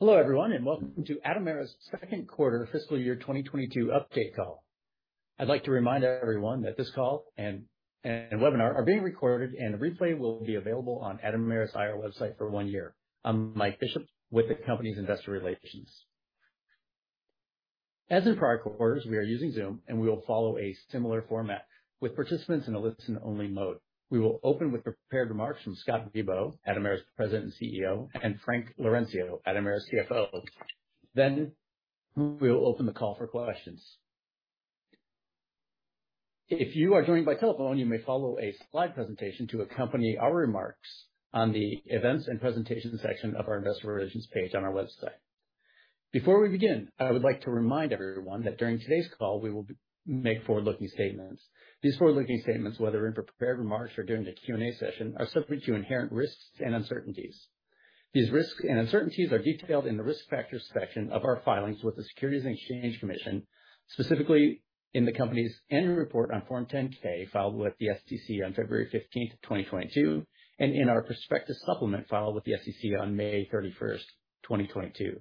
Hello, everyone, and welcome to Atomera's second quarter fiscal year 2022 update call. I'd like to remind everyone that this call and webinar are being recorded, and a replay will be available on Atomera's IR website for one year. I'm Mike Bishop with the company's investor relations. As in prior quarters, we are using Zoom, and we will follow a similar format, with participants in a listen-only mode. We will open with prepared remarks from Scott Bibaud, Atomera's President and CEO, and Frank Laurencio, Atomera's CFO. Then we will open the call for questions. If you are joined by telephone, you may follow a slide presentation to accompany our remarks on the events and presentations section of our investor relations page on our website. Before we begin, I would like to remind everyone that during today's call, we will make forward-looking statements. These forward-looking statements, whether in prepared remarks or during the Q&A session, are subject to inherent risks and uncertainties. These risks and uncertainties are detailed in the Risk Factors section of our filings with the Securities and Exchange Commission, specifically in the company's annual report on Form 10-K, filed with the SEC on February fifteenth, 2022, and in our prospectus supplement filed with the SEC on May 31st, 2022.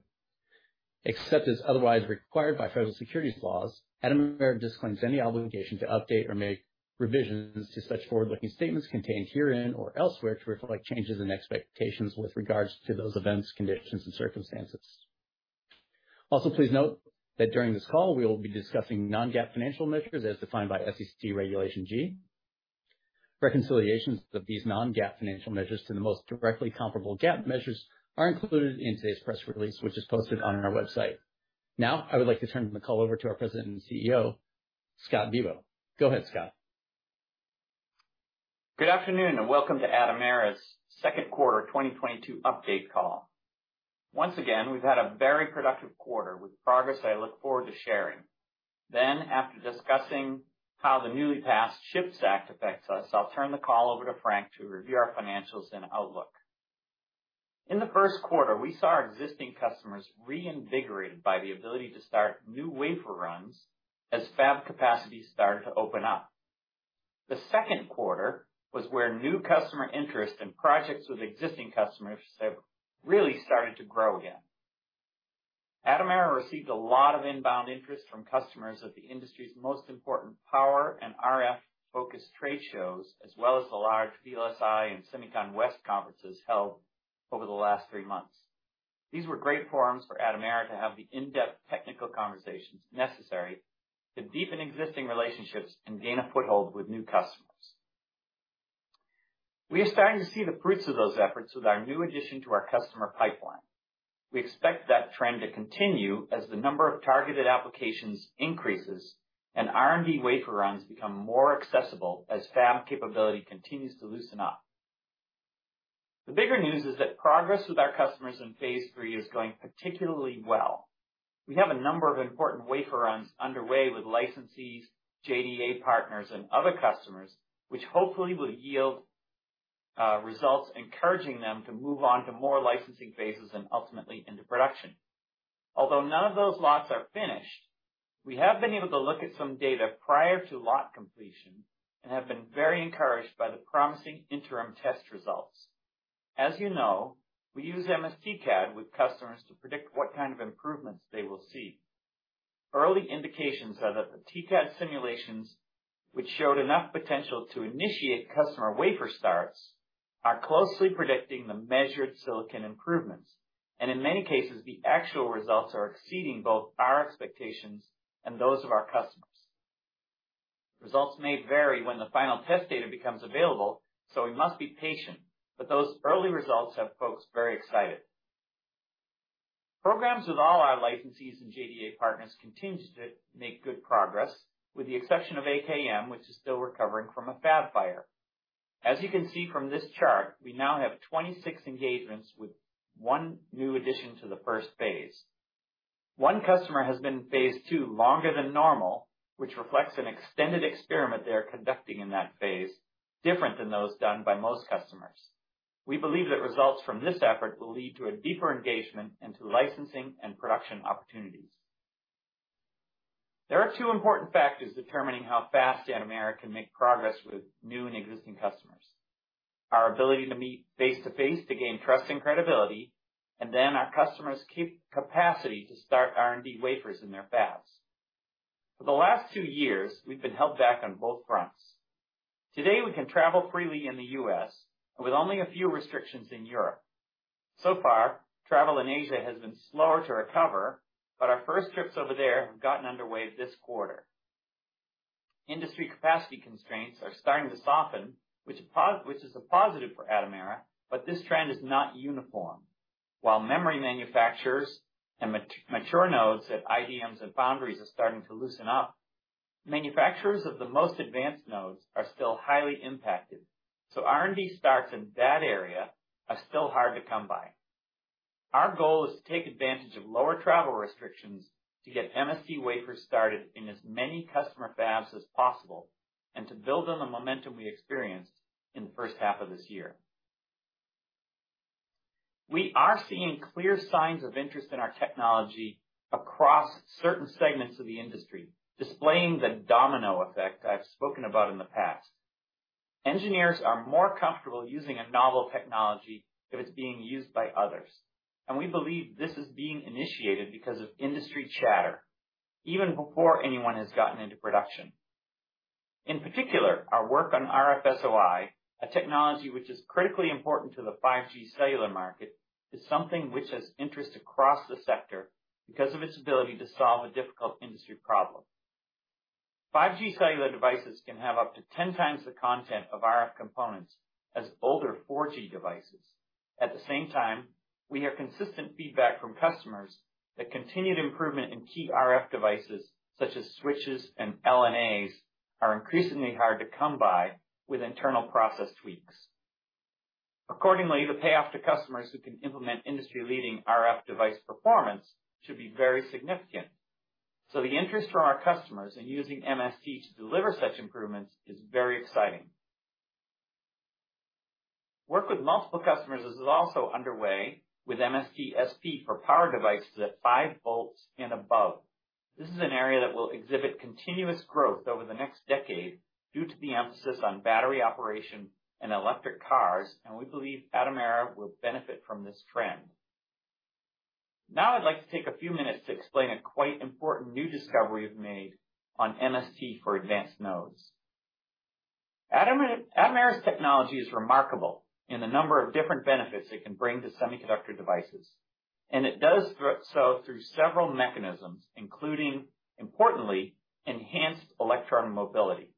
Except as otherwise required by federal securities laws, Atomera disclaims any obligation to update or make revisions to such forward-looking statements contained herein or elsewhere to reflect changes in expectations with regards to those events, conditions and circumstances. Also, please note that during this call, we will be discussing non-GAAP financial measures as defined by SEC Regulation G. Reconciliations of these non-GAAP financial measures to the most directly comparable GAAP measures are included in today's press release, which is posted on our website. Now, I would like to turn the call over to our President and CEO, Scott Bibaud. Go ahead, Scott. Good afternoon, and welcome to Atomera's second quarter 2022 update call. Once again, we've had a very productive quarter with progress I look forward to sharing. After discussing how the newly passed CHIPS Act affects us, I'll turn the call over to Frank to review our financials and outlook. In the first quarter, we saw our existing customers reinvigorated by the ability to start new wafer runs as fab capacity started to open up. The second quarter was where new customer interest and projects with existing customers have really started to grow again. Atomera received a lot of inbound interest from customers at the industry's most important power and RF-focused trade shows, as well as the large VLSI and SEMICON West conferences held over the last three months. These were great forums for Atomera to have the in-depth technical conversations necessary to deepen existing relationships and gain a foothold with new customers. We are starting to see the fruits of those efforts with our new addition to our customer pipeline. We expect that trend to continue as the number of targeted applications increases and R&D wafer runs become more accessible as fab capability continues to loosen up. The bigger news is that progress with our customers in phase three is going particularly well. We have a number of important wafer runs underway with licensees, JDA partners, and other customers, which hopefully will yield results encouraging them to move on to more licensing phases and ultimately into production. Although none of those lots are finished, we have been able to look at some data prior to lot completion and have been very encouraged by the promising interim test results. As you know, we use MSTcad with customers to predict what kind of improvements they will see. Early indications are that the TCAD simulations, which showed enough potential to initiate customer wafer starts, are closely predicting the measured silicon improvements, and in many cases, the actual results are exceeding both our expectations and those of our customers. Results may vary when the final test data becomes available, so we must be patient, but those early results have folks very excited. Programs with all our licensees and JDA partners continue to make good progress, with the exception of AKM, which is still recovering from a fab fire. As you can see from this chart, we now have 26 engagements with one new addition to the first phase. One customer has been in phase two longer than normal, which reflects an extended experiment they are conducting in that phase, different than those done by most customers. We believe that results from this effort will lead to a deeper engagement into licensing and production opportunities. There are two important factors determining how fast Atomera can make progress with new and existing customers. Our ability to meet face-to-face to gain trust and credibility, and then our customers' capacity to start R&D wafers in their fabs. For the last two years, we've been held back on both fronts. Today, we can travel freely in the U.S. and with only a few restrictions in Europe. So far, travel in Asia has been slower to recover, but our first trips over there have gotten underway this quarter. Industry capacity constraints are starting to soften, which is a positive for Atomera, but this trend is not uniform. While memory manufacturers and mature nodes at IDMs and foundries are starting to loosen up, manufacturers of the most advanced nodes are still highly impacted, so R&D starts in that area are still hard to come by. Our goal is to take advantage of lower travel restrictions to get MST wafers started in as many customer fabs as possible and to build on the momentum we experienced in the first half of this year. We are seeing clear signs of interest in our technology across certain segments of the industry, displaying the domino effect I've spoken about in the past. Engineers are more comfortable using a novel technology if it's being used by others, and we believe this is being initiated because of industry chatter even before anyone has gotten into production. In particular, our work on RFSOI, a technology which is critically important to the 5G cellular market, is something which has interest across the sector because of its ability to solve a difficult industry problem. 5G cellular devices can have up to 10 times the content of RF components as older 4G devices. At the same time, we hear consistent feedback from customers that continued improvement in key RF devices such as switches and LNAs, are increasingly hard to come by with internal process tweaks. Accordingly, the payoff to customers who can implement industry leading RF device performance should be very significant. The interest from our customers in using MST to deliver such improvements is very exciting. Work with multiple customers is also underway with MST-SP for power devices at 5V and above. This is an area that will exhibit continuous growth over the next decade due to the emphasis on battery operation and electric cars, and we believe Atomera will benefit from this trend. Now I'd like to take a few minutes to explain a quite important new discovery we've made on MST for advanced nodes. Atomera's technology is remarkable in the number of different benefits it can bring to semiconductor devices, and it does so through several mechanisms, including, importantly, enhanced electron mobility.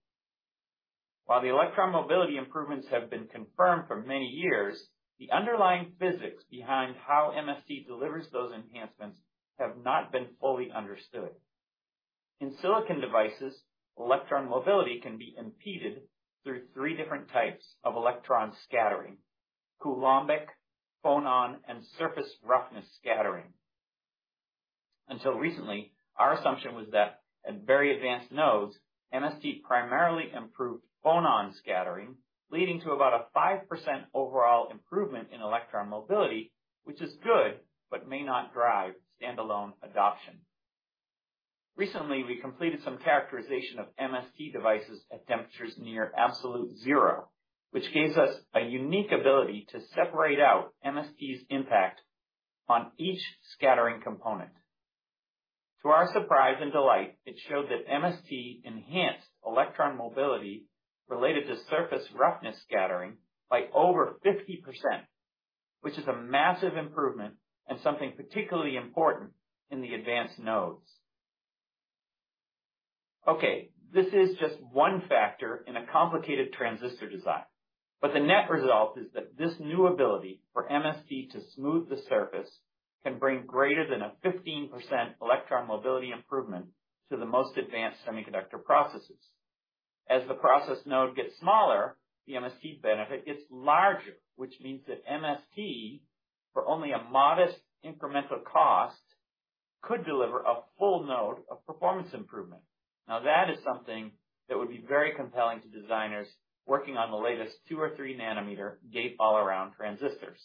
While the electron mobility improvements have been confirmed for many years, the underlying physics behind how MST delivers those enhancements have not been fully understood. In silicon devices, electron mobility can be impeded through three different types of electron scattering, coulombic, phonon, and surface roughness scattering. Until recently, our assumption was that at very advanced nodes, MST primarily improved phonon scattering, leading to about a 5% overall improvement in electron mobility, which is good, but may not drive standalone adoption. Recently, we completed some characterization of MST devices at temperatures near absolute zero, which gave us a unique ability to separate out MST's impact on each scattering component. To our surprise and delight, it showed that MST enhanced electron mobility related to surface roughness scattering by over 50%, which is a massive improvement and something particularly important in the advanced nodes. Okay, this is just one factor in a complicated transistor design, but the net result is that this new ability for MST to smooth the surface can bring greater than 15% electron mobility improvement to the most advanced semiconductor processes. As the process node gets smaller, the MST benefit gets larger, which means that MST, for only a modest incremental cost, could deliver a full node of performance improvement. Now, that is something that would be very compelling to designers working on the latest 2nm or 3nm gate-all-around transistors.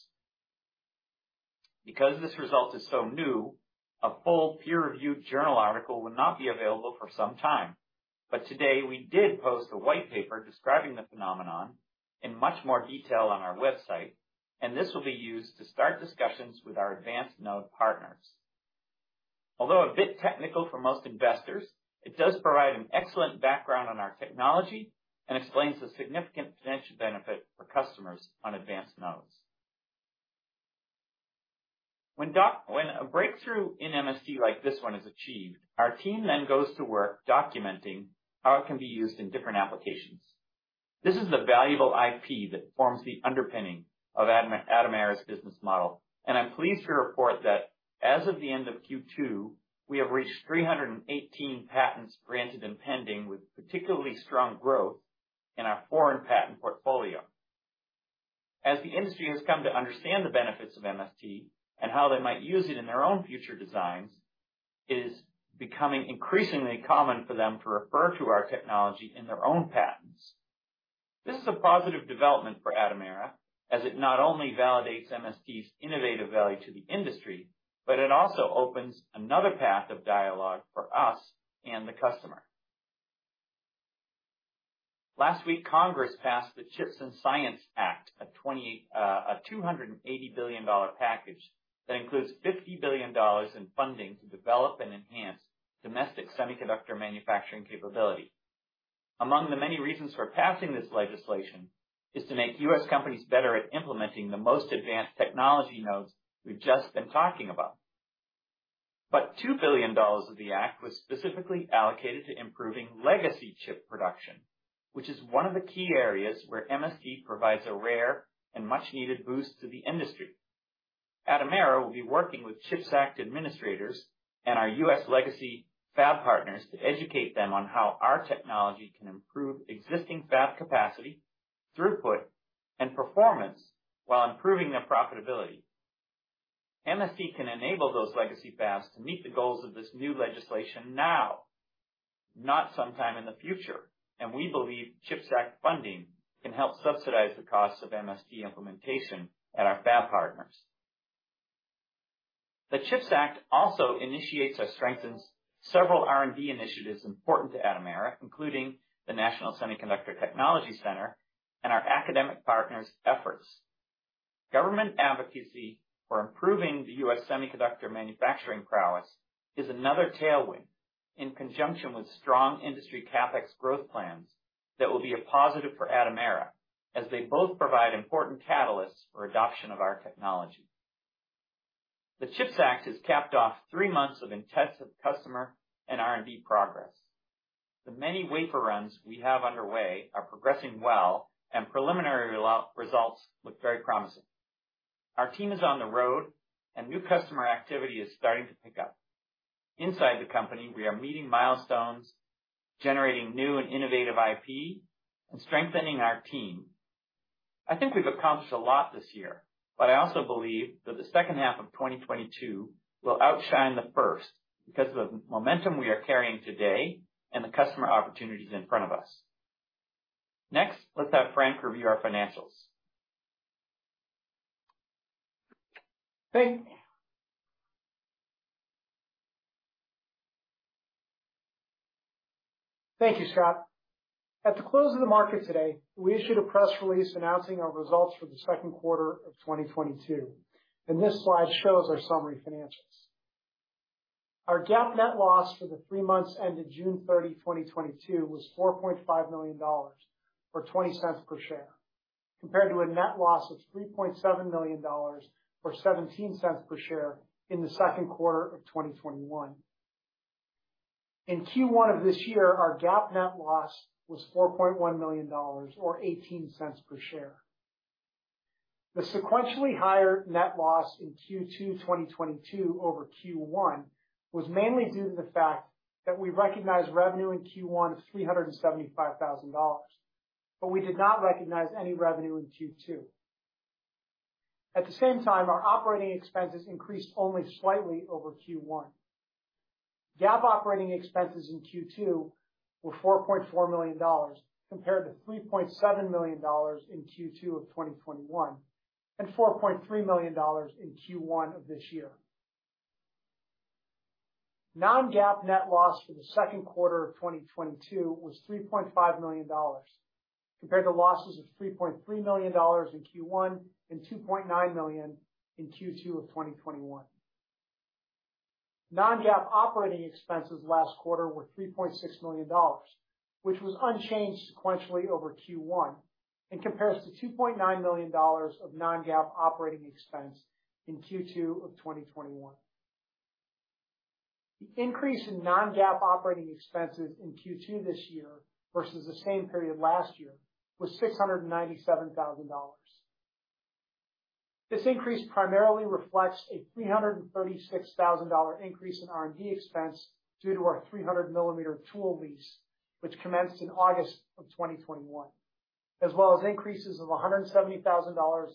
Because this result is so new, a full peer-reviewed journal article will not be available for some time. But today we did post a white paper describing the phenomenon in much more detail on our website, and this will be used to start discussions with our advanced node partners. Although a bit technical for most investors, it does provide an excellent background on our technology and explains the significant financial benefit for customers on advanced nodes. When a breakthrough in MST like this one is achieved, our team then goes to work documenting how it can be used in different applications. This is the valuable IP that forms the underpinning of Atomera's business model. I'm pleased to report that as of the end of Q2, we have reached 318 patents granted and pending, with particularly strong growth in our foreign patent portfolio. As the industry has come to understand the benefits of MST and how they might use it in their own future designs, it is becoming increasingly common for them to refer to our technology in their own patents. This is a positive development for Atomera, as it not only validates MST's innovative value to the industry, but it also opens another path of dialogue for us and the customer. Last week, Congress passed the CHIPS and Science Act, a $280 billion package that includes $50 billion in funding to develop and enhance domestic semiconductor manufacturing capability. Among the many reasons for passing this legislation is to make U.S. companies better at implementing the most advanced technology nodes we've just been talking about. $2 billion of the act was specifically allocated to improving legacy chip production, which is one of the key areas where MST provides a rare and much needed boost to the industry. Atomera will be working with CHIPS Act administrators and our U.S. legacy fab partners to educate them on how our technology can improve existing fab capacity, throughput, and performance while improving their profitability. MST can enable those legacy fabs to meet the goals of this new legislation now, not sometime in the future. We believe CHIPS Act funding can help subsidize the cost of MST implementation at our fab partners. The CHIPS Act also initiates or strengthens several R&D initiatives important to Atomera, including the National Semiconductor Technology Center and our academic partners' efforts. Government advocacy for improving the U.S. semiconductor manufacturing prowess is another tailwind in conjunction with strong industry CapEx growth plans that will be a positive for Atomera as they both provide important catalysts for adoption of our technology. The CHIPS Act has capped off three months of intensive customer and R&D progress. The many wafer runs we have underway are progressing well, and preliminary results look very promising. Our team is on the road, and new customer activity is starting to pick up. Inside the company, we are meeting milestones, generating new and innovative IP, and strengthening our team. I think we've accomplished a lot this year, but I also believe that the second half of 2022 will outshine the first because of the momentum we are carrying today and the customer opportunities in front of us. Next, let's have Frank review our financials. Thank you, Scott. At the close of the market today, we issued a press release announcing our results for the second quarter of 2022, and this slide shows our summary financials. Our GAAP net loss for the three months ended June 30, 2022 was $4.5 million, or $0.20 per share, compared to a net loss of $3.7 million, or $0.17 per share in the second quarter of 2021. In Q1 of this year, our GAAP net loss was $4.1 million or $0.18 per share. The sequentially higher net loss in Q2 2022 over Q1 was mainly due to the fact that we recognized revenue in Q1 of $375,000, but we did not recognize any revenue in Q2. At the same time, our operating expenses increased only slightly over Q1. GAAP operating expenses in Q2 were $4.4 million compared to $3.7 million in Q2 of 2021, and $4.3 million in Q1 of this year. non-GAAP net loss for the second quarter of 2022 was $3.5 million, compared to losses of $3.3 million in Q1 and $2.9 million in Q2 of 2021. non-GAAP operating expenses last quarter were $3.6 million, which was unchanged sequentially over Q1 and compares to $2.9 million of non-GAAP operating expense in Q2 of 2021. The increase in non-GAAP operating expenses in Q2 this year versus the same period last year was $697 thousand. This increase primarily reflects a $336,000 increase in R&D expense due to our 300mm tool lease, which commenced in August 2021, as well as increases of $170,000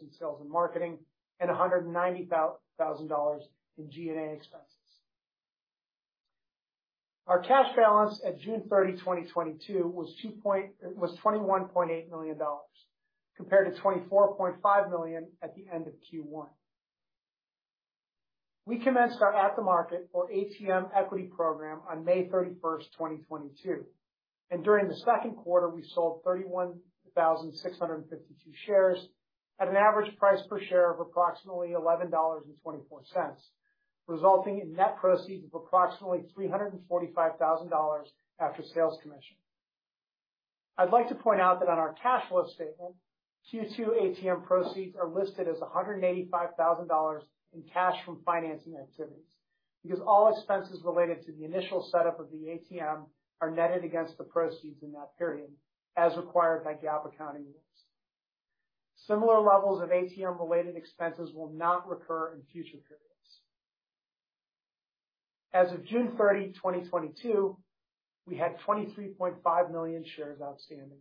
in sales and marketing and $190,000 in G&A expenses. Our cash balance at June 30, 2022 was $21.8 million, compared to $24.5 million at the end of Q1. We commenced our at-the-market or ATM equity program on May 31, 2022, and during the second quarter, we sold 31,652 shares at an average price per share of approximately $11.24, resulting in net proceeds of approximately $345,000 after sales commission. I'd like to point out that on our cash flow statement, Q2 ATM proceeds are listed as $185,000 in cash from financing activities because all expenses related to the initial setup of the ATM are netted against the proceeds in that period, as required by GAAP accounting rules. Similar levels of ATM related expenses will not recur in future periods. As of June 30, 2022, we had 23.5 million shares outstanding.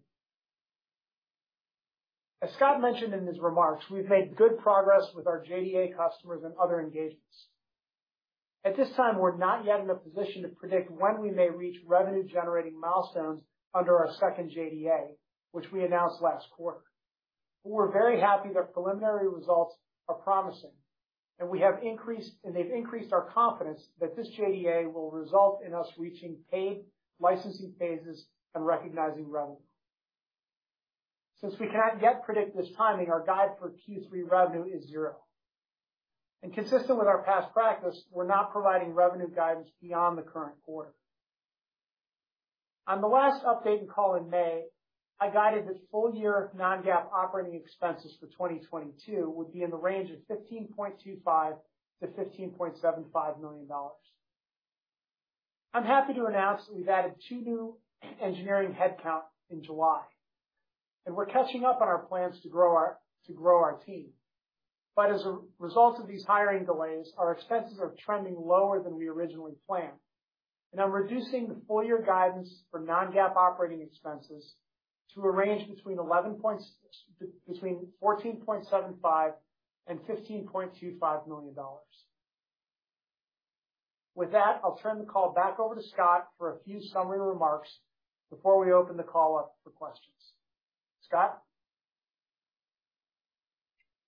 As Scott mentioned in his remarks, we've made good progress with our JDA customers and other engagements. At this time, we're not yet in a position to predict when we may reach revenue generating milestones under our second JDA, which we announced last quarter. We're very happy that preliminary results are promising, and they've increased our confidence that this JDA will result in us reaching paid licensing phases and recognizing revenue. Since we cannot yet predict this timing, our guide for Q3 revenue is zero. Consistent with our past practice, we're not providing revenue guidance beyond the current quarter. On the last update and call in May, I guided that full year non-GAAP operating expenses for 2022 would be in the range of $15.25-$15.75 million. I'm happy to announce we've added two new engineering headcount in July, and we're catching up on our plans to grow our team. As a result of these hiring delays, our expenses are trending lower than we originally planned, and I'm reducing the full-year guidance for non-GAAP operating expenses to a range between $14.75 million and $15.25 million. With that, I'll turn the call back over to Scott for a few summary remarks before we open the call up for questions. Scott?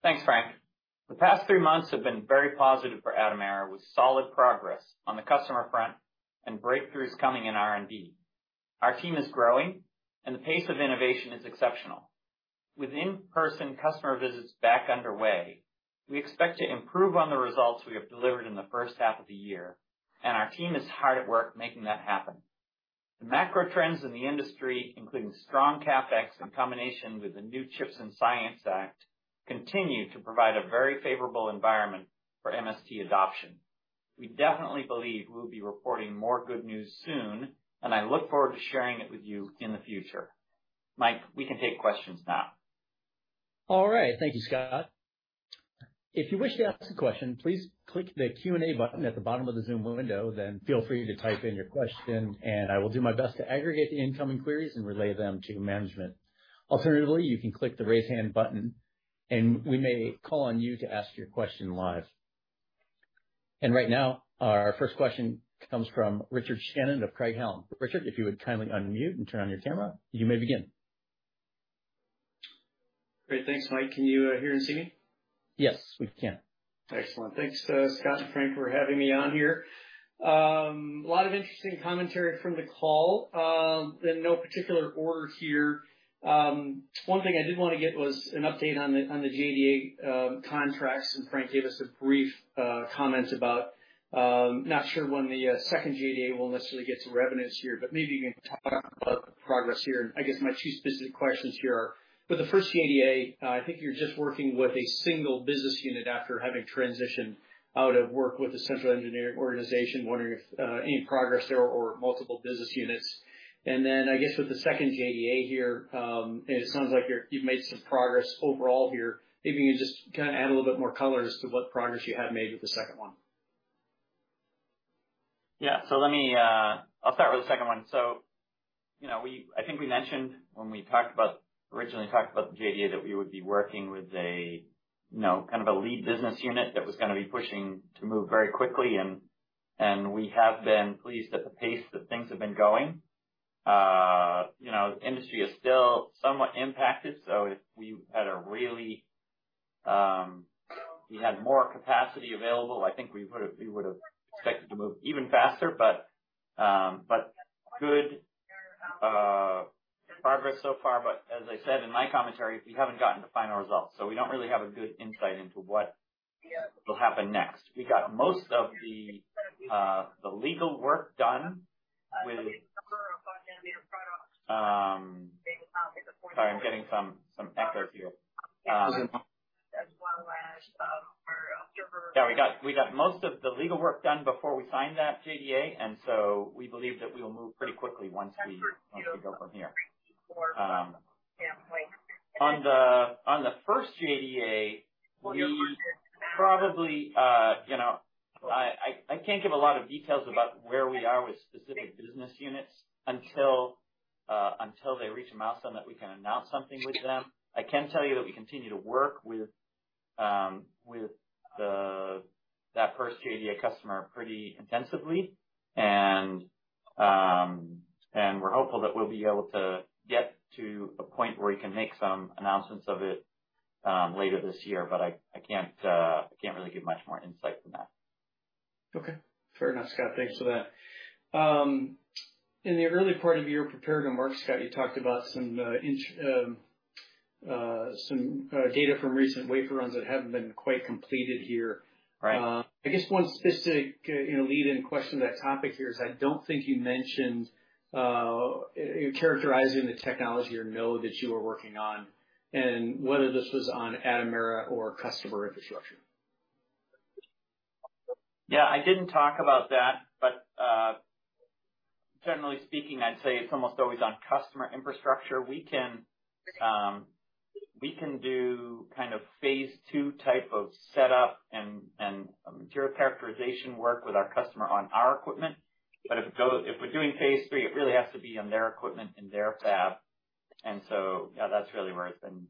Thanks, Frank. The past three months have been very positive for Atomera, with solid progress on the customer front and breakthroughs coming in R&D. Our team is growing, and the pace of innovation is exceptional. With in-person customer visits back underway, we expect to improve on the results we have delivered in the first half of the year, and our team is hard at work making that happen. The macro trends in the industry, including strong CapEx in combination with the new CHIPS and Science Act, continue to provide a very favorable environment for MST adoption. We definitely believe we'll be reporting more good news soon, and I look forward to sharing it with you in the future. Mike, we can take questions now. All right. Thank you, Scott. If you wish to ask a question, please click the Q&A button at the bottom of the Zoom window, then feel free to type in your question, and I will do my best to aggregate the incoming queries and relay them to management. Alternatively, you can click the Raise Hand button, and we may call on you to ask your question live. Right now, our first question comes from Richard Shannon of Craig-Hallum. Richard, if you would kindly unmute and turn on your camera, you may begin. Great. Thanks, Mike. Can you hear and see me? Yes, we can. Excellent. Thanks, Scott and Frank, for having me on here. A lot of interesting commentary from the call. In no particular order here, one thing I did wanna get was an update on the JDA contracts. Frank gave us a brief comment about not sure when the second JDA will necessarily get some revenues here, but maybe you can talk about the progress here. I guess my two specific questions here are. With the first JDA, I think you're just working with a single business unit after having transitioned out of work with the central engineering organization, wondering if any progress there or multiple business units. I guess with the second JDA here, it sounds like you've made some progress overall here. Maybe you can just kinda add a little bit more color as to what progress you have made with the second one. Yeah. Let me, I'll start with the second one. You know, I think we mentioned when we originally talked about the JDA, that we would be working with a, you know, kind of a lead business unit that was gonna be pushing to move very quickly and we have been pleased at the pace that things have been going. You know, the industry is still somewhat impacted, so if we had more capacity available, I think we would've expected to move even faster. Good progress so far. As I said in my commentary, we haven't gotten the final results, so we don't really have a good insight into what will happen next. Sorry, I'm getting some echo here. We got most of the legal work done before we signed that JDA, and so we believe that we will move pretty quickly once we go from here. On the first JDA, I can't give a lot of details about where we are with specific business units until they reach a milestone that we can announce something with them. I can tell you that we continue to work with that first JDA customer pretty intensively, and we're hopeful that we'll be able to get to a point where we can make some announcements of it later this year. I can't really give much more insight than that. Okay. Fair enough, Scott. Thanks for that. In the early part of your prepared remarks, Scott, you talked about some data from recent wafer runs that haven't been quite completed here. Right. I guess one specific, you know, lead-in question to that topic here is I don't think you mentioned, you characterizing the technology or node that you were working on and whether this was on Atomera or customer infrastructure? Yeah, I didn't talk about that, but generally speaking, I'd say it's almost always on customer infrastructure. We can do kind of phase two type of setup and material characterization work with our customer on our equipment. If we're doing phase three, it really has to be on their equipment in their fab. Yeah, that's really where it's been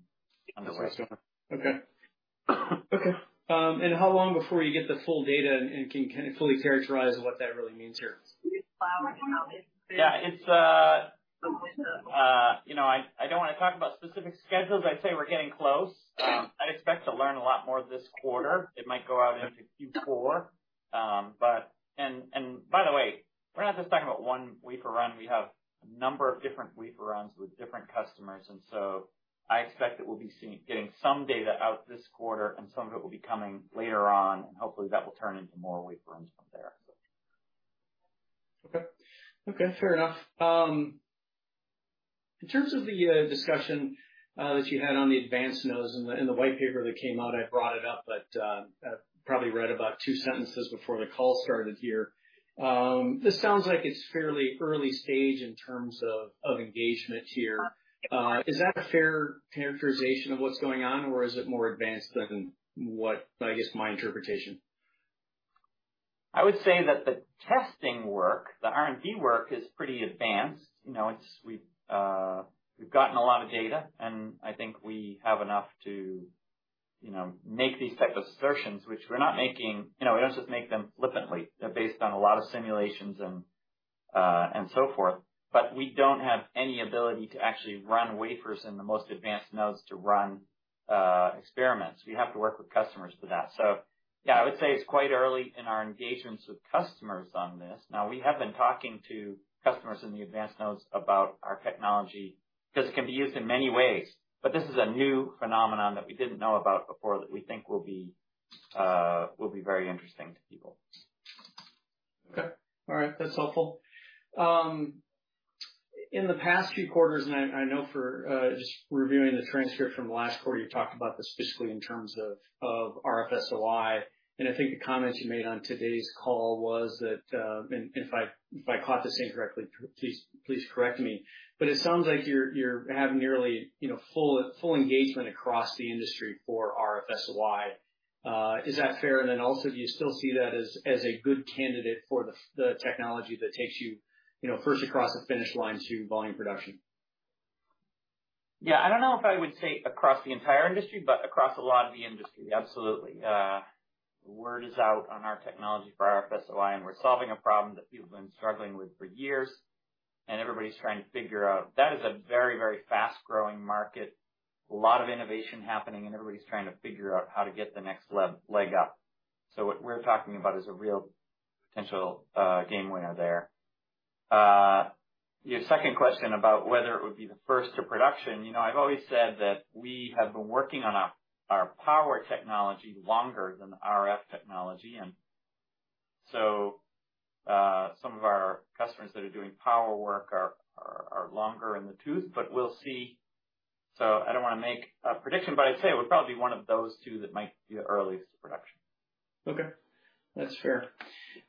underway. Understood. Okay. How long before you get the full data and can fully characterize what that really means here? Yeah, it's you know I don't wanna talk about specific schedules. I'd say we're getting close. I'd expect to learn a lot more this quarter. It might go out into Q4. By the way, we're not just talking about one wafer run. We have a number of different wafer runs with different customers, and so I expect that we'll be seeing, getting some data out this quarter and some of it will be coming later on, and hopefully that will turn into more wafer runs from there, so. Okay. Okay, fair enough. In terms of the discussion that you had on the advanced nodes and the white paper that came out, I brought it up, but I probably read about two sentences before the call started here. This sounds like it's fairly early stage in terms of engagement here. Is that a fair characterization of what's going on, or is it more advanced than what, I guess, my interpretation? I would say that the testing work, the R&D work is pretty advanced. You know, we've gotten a lot of data, and I think we have enough. You know, make these type of assertions, which we're not making. You know, we don't just make them flippantly. They're based on a lot of simulations and so forth. But we don't have any ability to actually run wafers in the most advanced nodes to run experiments. We have to work with customers for that. Yeah, I would say it's quite early in our engagements with customers on this. Now, we have been talking to customers in the advanced nodes about our technology because it can be used in many ways. But this is a new phenomenon that we didn't know about before that we think will be very interesting to people. Okay. All right. That's helpful. In the past few quarters, and I know for just reviewing the transcript from last quarter, you talked about this specifically in terms of RF SOI. I think the comments you made on today's call was that, and if I caught this incorrectly, please correct me, but it sounds like you're have nearly, you know, full engagement across the industry for RF SOI. Is that fair? Then also, do you still see that as a good candidate for the technology that takes you know, first across the finish line to volume production? Yeah. I don't know if I would say across the entire industry, but across a lot of the industry, absolutely. Word is out on our technology for RF SOI, and we're solving a problem that people have been struggling with for years. Everybody's trying to figure out. That is a very, very fast growing market, a lot of innovation happening, and everybody's trying to figure out how to get the next leg up. What we're talking about is a real potential, game winner there. Your second question about whether it would be the first to production. You know, I've always said that we have been working on our power technology longer than the RF technology. Some of our customers that are doing power work are longer in the tooth, but we'll see. I don't wanna make a prediction, but I'd say it would probably be one of those two that might be the earliest to production. Okay. That's fair.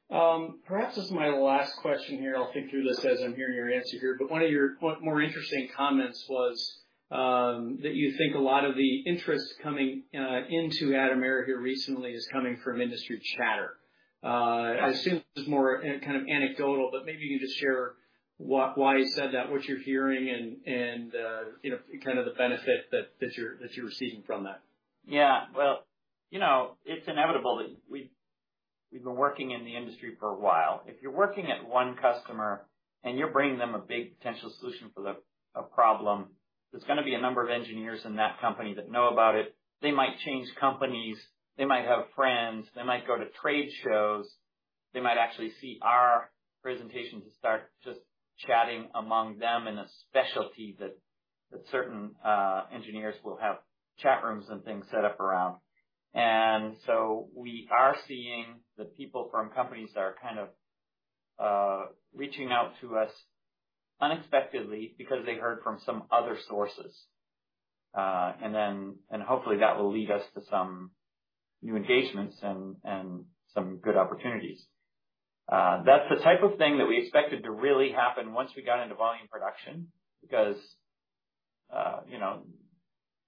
Perhaps as my last question here, I'll think through this as I'm hearing your answer here, but one of your more interesting comments was that you think a lot of the interest coming into Atomera here recently is coming from industry chatter. I assume this is more kind of anecdotal, but maybe you could just share why you said that, what you're hearing and you know, kind of the benefit that you're receiving from that? Yeah. Well, you know, it's inevitable that we've been working in the industry for a while. If you're working at one customer and you're bringing them a big potential solution for a problem, there's gonna be a number of engineers in that company that know about it. They might change companies, they might have friends, they might go to trade shows, they might actually see our presentation to start just chatting among them in a specialty that certain engineers will have chat rooms and things set up around. We are seeing the people from companies that are kind of reaching out to us unexpectedly because they heard from some other sources. And then, and hopefully that will lead us to some new engagements and some good opportunities. That's the type of thing that we expected to really happen once we got into volume production because, you know,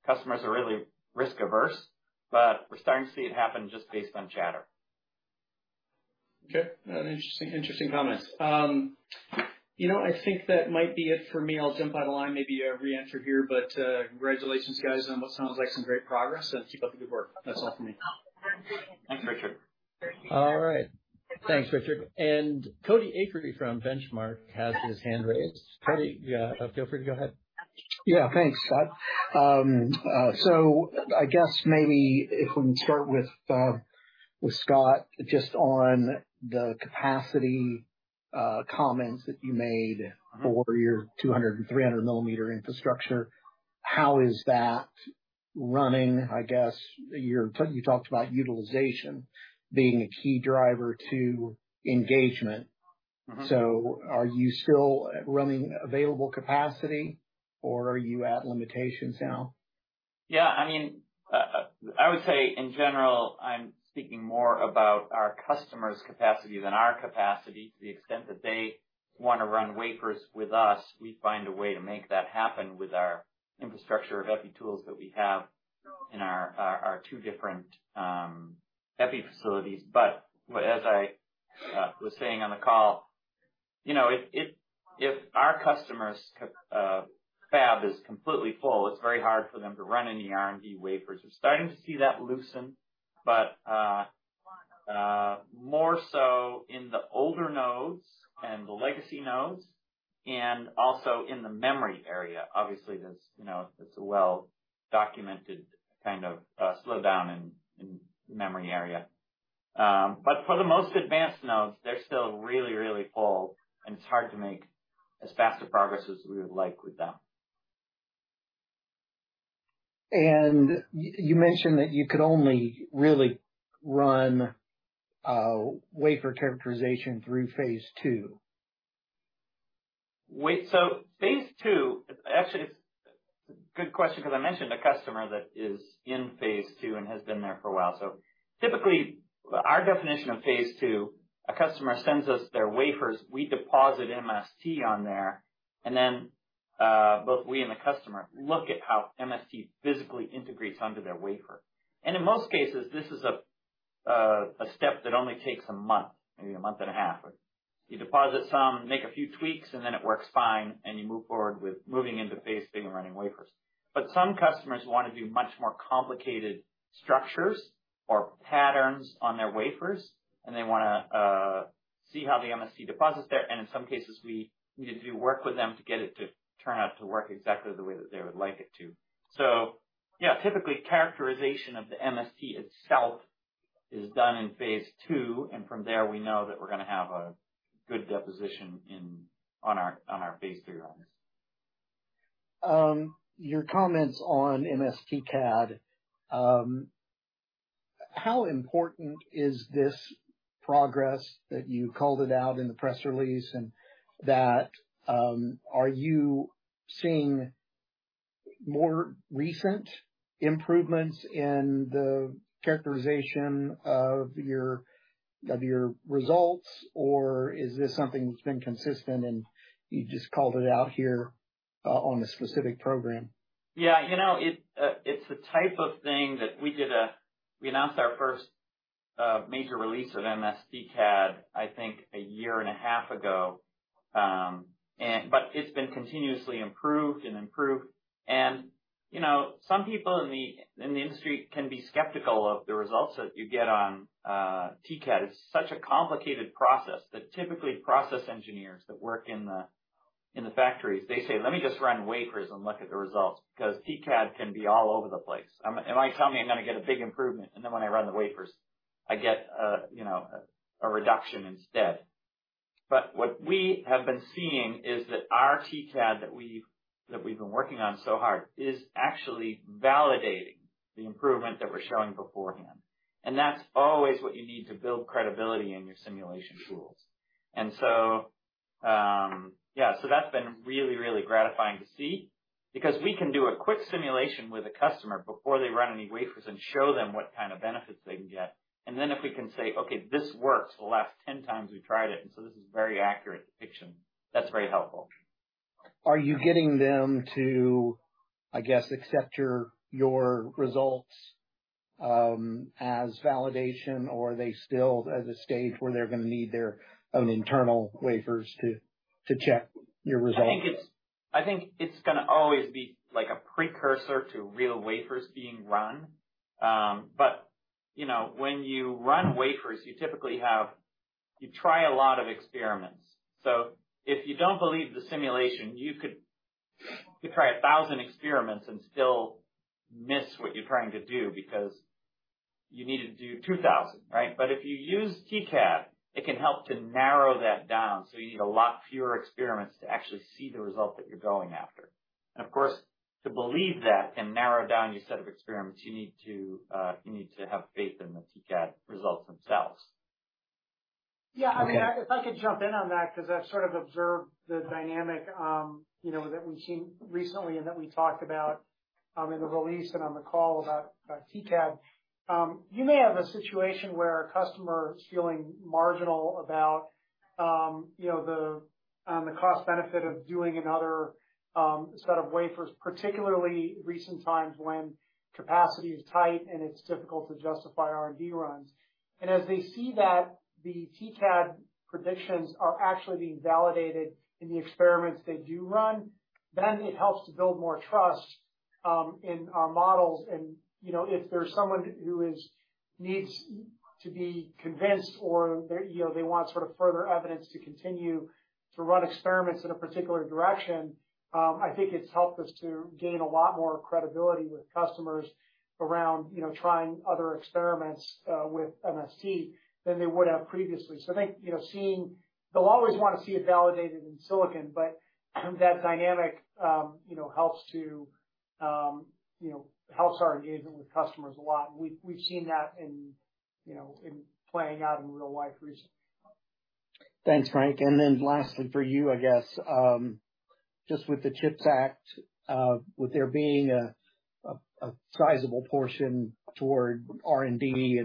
customers are really risk averse, but we're starting to see it happen just based on chatter. Okay. Interesting comments. You know, I think that might be it for me. I'll jump out of line, maybe re-enter here, but congratulations, guys, on what sounds like some great progress, and keep up the good work. That's all for me. Thanks, Richard. All right. Thanks, Richard. Cody Acree from Benchmark has his hand raised. Cody, yeah, feel free to go ahead. Yeah. Thanks, Mike. I guess maybe if we can start with Scott just on the capacity comments that you made for your 200mm and 300mm infrastructure, how is that running? I guess you talked about utilization being a key driver to engagement. Mm-hmm. Are you still running available capacity or are you at limitations now? Yeah, I mean, I would say in general, I'm speaking more about our customer's capacity than our capacity. To the extent that they wanna run wafers with us, we find a way to make that happen with our infrastructure of EPI tools that we have in our two different EPI facilities. But as I was saying on the call, you know, if our customer's fab is completely full, it's very hard for them to run any R&D wafers. We're starting to see that loosen, but more so in the older nodes and the legacy nodes and also in the memory area. Obviously, there's you know, there's a well-documented kind of slowdown in memory area. For the most advanced nodes, they're still really, really full, and it's hard to make as fast a progress as we would like with them. You mentioned that you could only really run wafer characterization through phase two. Phase two, actually, it's a good question 'cause I mentioned a customer that is in phase two and has been there for a while. Typically, our definition of phase two, a customer sends us their wafers, we deposit MST on there, and then both we and the customer look at how MST physically integrates onto their wafer. In most cases, this is a step that only takes a month, maybe a month and a half. You deposit some, make a few tweaks, and then it works fine, and you move forward with moving into phase three and running wafers. Some customers wanna do much more complicated structures or patterns on their wafers, and they wanna see how the MST deposits there. In some cases, we need to do work with them to get it to turn out to work exactly the way that they would like it to. Yeah, typically, characterization of the MST itself is done in phase two. From there, we know that we're gonna have a good deposition on our phase three runs. Your comments on MSTcad, how important is this progress that you called it out in the press release, and that, are you seeing more recent improvements in the characterization of your results, or is this something that's been consistent, and you just called it out here, on a specific program? Yeah. You know, it's the type of thing that we announced our first major release of MSTcad, I think, a year and a half ago. But it's been continuously improved. You know, some people in the industry can be skeptical of the results that you get on TCAD. It's such a complicated process that typically process engineers that work in the factories, they say, "Let me just run wafers and look at the results," 'cause TCAD can be all over the place. Am I telling you I'm gonna get a big improvement, and then when I run the wafers, I get you know a reduction instead. What we have been seeing is that our TCAD that we've been working on so hard is actually validating the improvement that we're showing beforehand. That's always what you need to build credibility in your simulation tools. That's been really gratifying to see because we can do a quick simulation with a customer before they run any wafers and show them what kind of benefits they can get. Then if we can say, "Okay, this works the last 10 times we've tried it, and so this is a very accurate depiction," that's very helpful. Are you getting them to, I guess, accept your results as validation, or are they still at a stage where they're gonna need their own internal wafers to check your results? I think it's gonna always be like a precursor to real wafers being run. You know, when you run wafers, you typically try a lot of experiments. If you don't believe the simulation, you could try 1,000 experiments and still miss what you're trying to do because you need to do 2,000, right? If you use TCAD, it can help to narrow that down, so you need a lot fewer experiments to actually see the result that you're going after. Of course, to believe that can narrow down your set of experiments, you need to have faith in the TCAD results themselves. Yeah. I mean, if I could jump in on that 'cause I've sort of observed the dynamic, you know, that we've seen recently and that we talked about in the release and on the call about TCAD. You may have a situation where a customer is feeling marginal about, you know, the cost benefit of doing another set of wafers, particularly recent times when capacity is tight, and it's difficult to justify R&D runs. As they see that the TCAD predictions are actually being validated in the experiments they do run, then it helps to build more trust in our models. You know, if there's someone who needs to be convinced or they're, you know, they want sort of further evidence to continue to run experiments in a particular direction, I think it's helped us to gain a lot more credibility with customers around, you know, trying other experiments with MST than they would have previously. I think, you know, they'll always wanna see it validated in silicon, but that dynamic, you know, helps to, you know, helps our engagement with customers a lot. We've seen that in, you know, in playing out in real life recently. Thanks, Frank. Lastly for you, I guess, just with the CHIPS Act, with there being a sizable portion toward R&D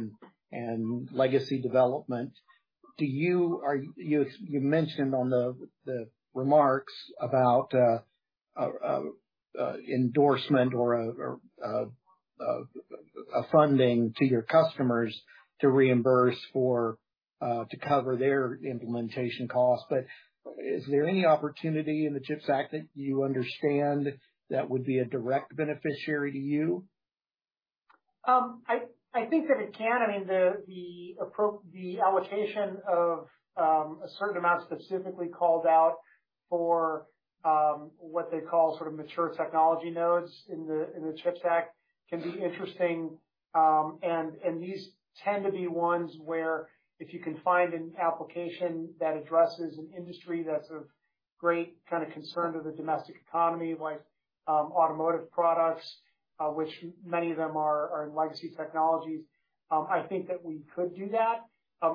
and legacy development, you mentioned in the remarks about endorsement or a funding to your customers to reimburse to cover their implementation costs. But is there any opportunity in the CHIPS Act that you understand that would be a direct beneficiary to you? I think that it can. I mean, the allocation of a certain amount specifically called out for what they call sort of mature technology nodes in the CHIPS Act can be interesting. These tend to be ones where if you can find an application that addresses an industry that's of great kind of concern to the domestic economy, like automotive products, which many of them are legacy technologies. I think that we could do that.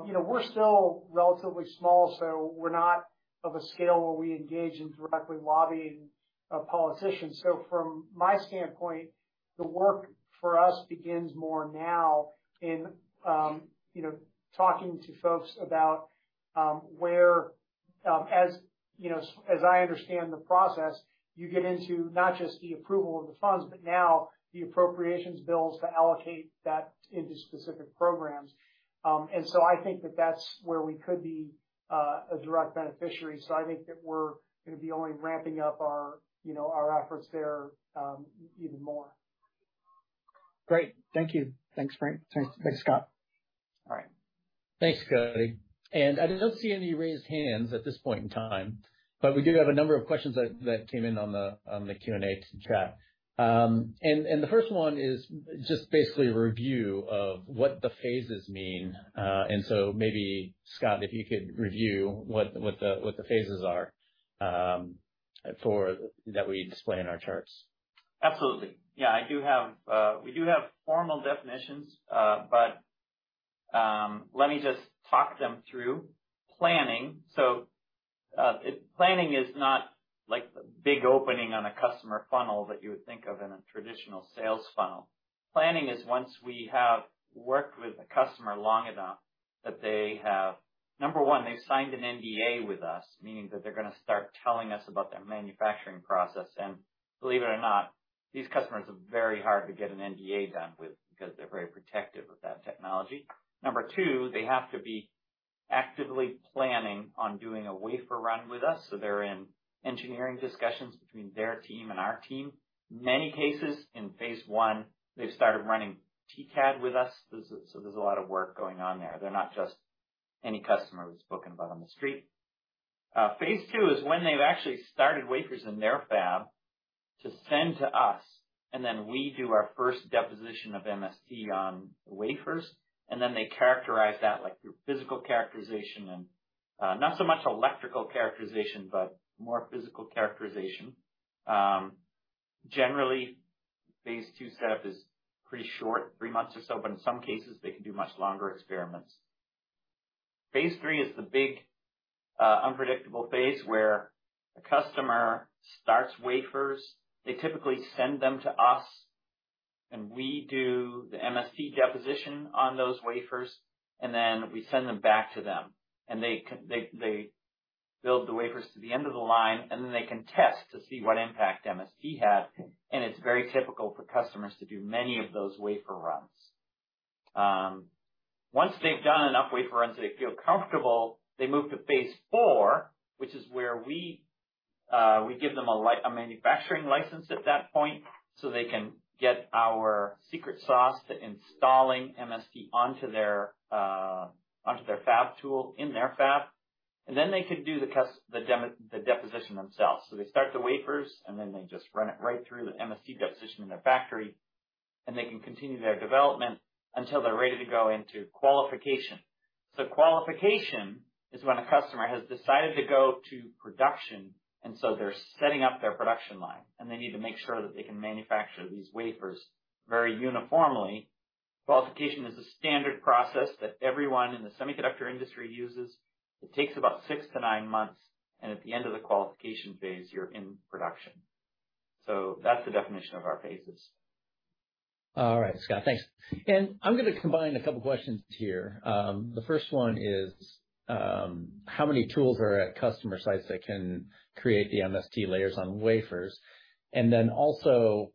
You know, we're still relatively small, so we're not of a scale where we engage in directly lobbying politicians. From my standpoint, the work for us begins more now in talking to folks about where As you know, as I understand the process, you get into not just the approval of the funds, but now the appropriations bills to allocate that into specific programs. I think that that's where we could be a direct beneficiary. I think that we're gonna be only ramping up our, you know, our efforts there, even more. Great. Thank you. Thanks, Frank. Thanks, Scott. All right. Thanks, Cody. I don't see any raised hands at this point in time, but we do have a number of questions that came in on the Q&A chat. The first one is just basically a review of what the phases mean. Maybe, Scott, if you could review what the phases are for that we display in our charts. Absolutely. Yeah, I do have. We do have formal definitions, but, let me just talk them through. Planning. Planning is not like the big opening on a customer funnel that you would think of in a traditional sales funnel. Planning is once we have worked with a customer long enough that they have, number one, they've signed an NDA with us, meaning that they're gonna start telling us about their manufacturing process. Believe it or not, these customers are very hard to get an NDA done with because they're very protective of that technology. Number two, they have to be actively planning on doing a wafer run with us. They're in engineering discussions between their team and our team. In many cases, in phase one, they've started running TCAD with us. There's a lot of work going on there. They're not just any customer we've spoken about on the street. Phase two is when they've actually started wafers in their fab to send to us, and then we do our first deposition of MST on wafers, and then they characterize that, like through physical characterization and, not so much electrical characterization, but more physical characterization. Generally, phase two setup is pretty short, three months or so, but in some cases they can do much longer experiments. Phase three is the big, unpredictable phase where a customer starts wafers. They typically send them to us, and we do the MST deposition on those wafers, and then we send them back to them, and they build the wafers to the end of the line, and then they can test to see what impact MST had. It's very typical for customers to do many of those wafer runs. Once they've done enough wafer runs, they feel comfortable, they move to phase four, which is where we give them a manufacturing license at that point, so they can get our secret sauce to installing MST onto their fab tool in their fab. They can do the deposition themselves. They start the wafers, and then they just run it right through the MST deposition in their factory, and they can continue their development until they're ready to go into qualification. Qualification is when a customer has decided to go to production, and so they're setting up their production line, and they need to make sure that they can manufacture these wafers very uniformly. Qualification is a standard process that everyone in the semiconductor industry uses. It takes about six-nine months, and at the end of the qualification phase, you're in production. That's the definition of our phases. All right, Scott. Thanks. I'm gonna combine a couple questions here. The first one is, how many tools are at customer sites that can create the MST layers on wafers? And then also,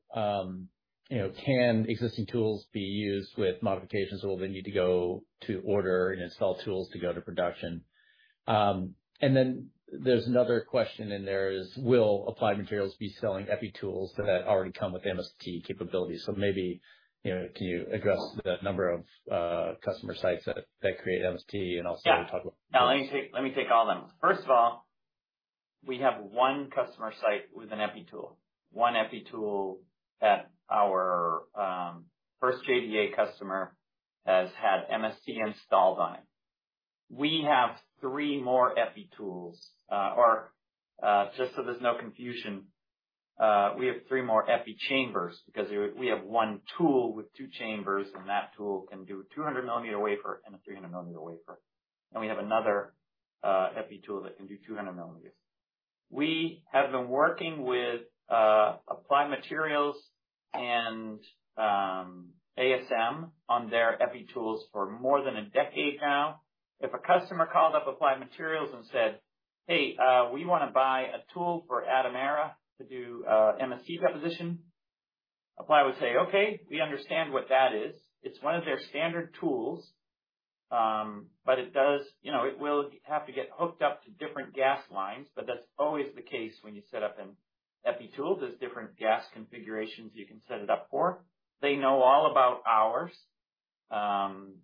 you know, can existing tools be used with modifications, or will they need to go to order and install tools to go to production? And then there's another question in there is, will Applied Materials be selling EPI tools that already come with MST capabilities? So maybe, you know, can you address the number of customer sites that create MST and also talk about. Yeah. Now let me take all them. First of all, we have one customer site with an EPI tool. One EPI tool at our first JDA customer has had MST installed on it. We have three more EPI tools. Or, just so there's no confusion, we have three more EPI chambers because we have one tool with two chambers, and that tool can do 200mm wafer and a 300mm wafer. We have another EPI tool that can do 200 millimeters. We have been working with Applied Materials and ASM on their EPI tools for more than a decade now. If a customer called up Applied Materials and said, "Hey, we wanna buy a tool for Atomera to do MST deposition," Applied would say, "Okay, we understand what that is." It's one of their standard tools. It will have to get hooked up to different gas lines, but that's always the case when you set up an EPI tool. There's different gas configurations you can set it up for. They know all about ours.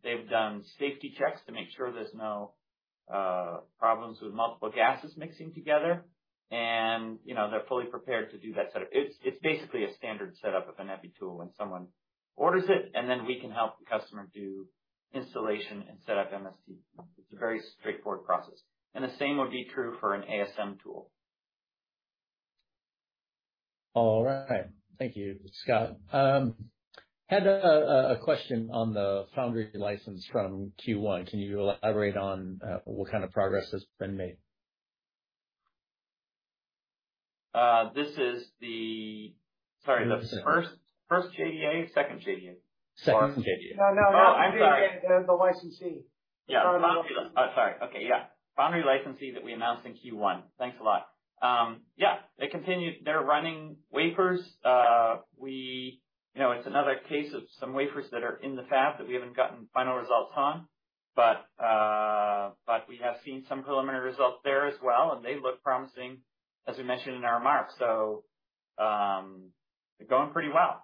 They've done safety checks to make sure there's no problems with multiple gases mixing together. They're fully prepared to do that. It is basically a standard setup of an EPI tool when someone orders it, and then we can help the customer do installation and set up MST. It's a very straightforward process, and the same would be true for an ASM tool. All right. Thank you, Scott. Had a question on the foundry license from Q1. Can you elaborate on what kind of progress has been made? Sorry, the first JDA, second JDA? Second JDA. No, no. Oh, I'm sorry. The licensee. Yeah. Foundry licensee that we announced in Q1. Thanks a lot. Yeah, they continued. They're running wafers. We, you know, it's another case of some wafers that are in the fab that we haven't gotten final results on. We have seen some preliminary results there as well, and they look promising as we mentioned in our remarks. They're going pretty well.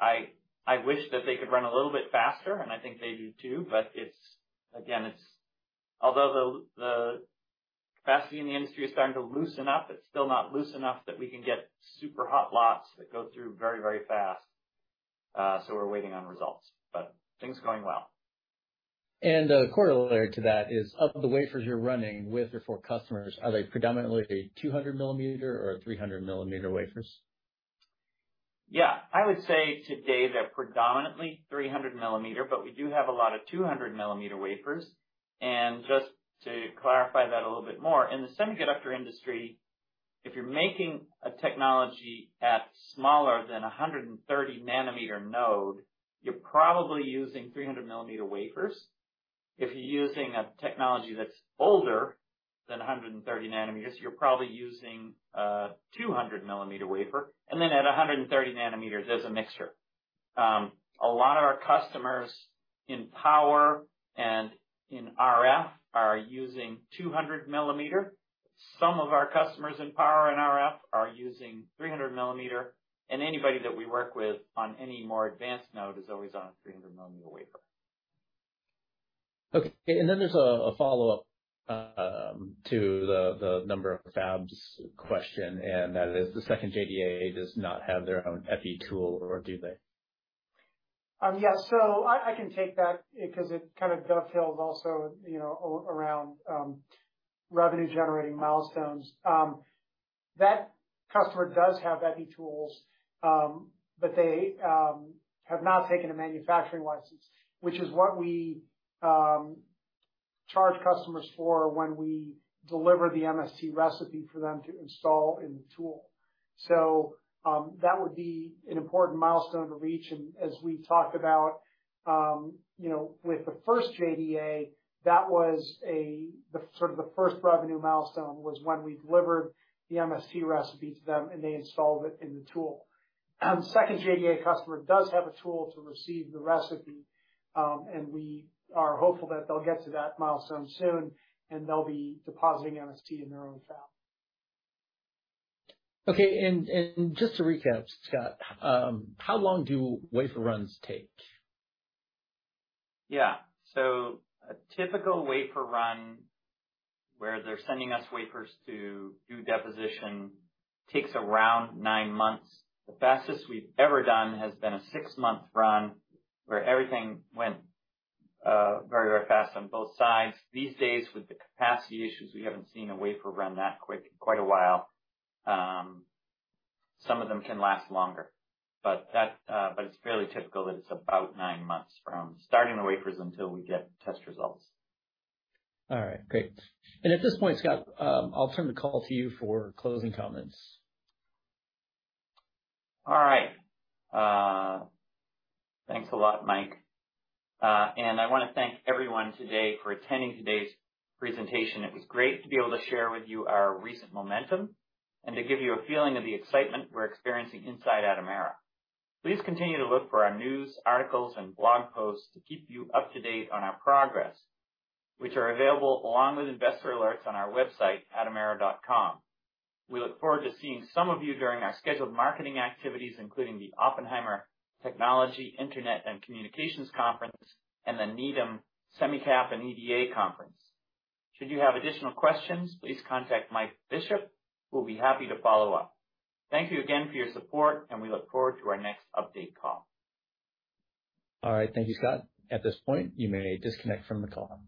I wish that they could run a little bit faster, and I think they do too, but it's again, although the capacity in the industry is starting to loosen up, it's still not loose enough that we can get super hot lots that go through very, very fast. We're waiting on results, but things are going well. A corollary to that is, of the wafers you're running with or for customers, are they predominantly 200 millimeter or 300 millimeter wafers? Yeah. I would say today they're predominantly 300 millimeter, but we do have a lot of 200 millimeter wafers. Just to clarify that a little bit more, in the semiconductor industry, if you're making a technology at smaller than a 130 nanometer node, you're probably using 300 millimeter wafers. If you're using a technology that's older than a 130 nanometers, you're probably using a 200 millimeter wafer. At a 130 nanometers, there's a mixture. A lot of our customers in power and in RF are using 200 millimeter. Some of our customers in power and RF are using 300 millimeter, and anybody that we work with on any more advanced node is always on a 300 millimeter wafer. Okay. There's a follow-up to the number of fabs question, and that is the second JDA does not have their own EPI tool or do they? Yeah. I can take that because it kind of dovetails also, you know, around revenue generating milestones. That customer does have EPI tools, but they have not taken a manufacturing license, which is what we charge customers for when we deliver the MST recipe for them to install in the tool. That would be an important milestone to reach. As we talked about, you know, with the first JDA, that was sort of the first revenue milestone when we delivered the MST recipe to them, and they installed it in the tool. Second JDA customer does have a tool to receive the recipe, and we are hopeful that they'll get to that milestone soon, and they'll be depositing MST in their own fab. Okay. Just to recap, Scott, how long do wafer runs take? Yeah. A typical wafer run where they're sending us wafers to do deposition takes around 9 months. The fastest we've ever done has been a 6-month run where everything went very, very fast on both sides. These days, with the capacity issues, we haven't seen a wafer run that quick in quite a while. Some of them can last longer, but it's fairly typical that it's about 9 months from starting the wafers until we get test results. All right. Great. At this point, Scott, I'll turn the call to you for closing comments. All right. Thanks a lot, Mike. I wanna thank everyone today for attending today's presentation. It was great to be able to share with you our recent momentum and to give you a feeling of the excitement we're experiencing inside Atomera. Please continue to look for our news, articles and blog posts to keep you up to date on our progress, which are available along with investor alerts on our website, atomera.com. We look forward to seeing some of you during our scheduled marketing activities, including the Oppenheimer Technology, Internet & Communications Conference and the Needham Virtual SemiCap and EDA Conference. Should you have additional questions, please contact Mike Bishop, who will be happy to follow up. Thank you again for your support, and we look forward to our next update call. All right. Thank you, Scott. At this point, you may disconnect from the call.